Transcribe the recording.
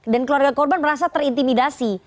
dan keluarga korban merasa terintimidasi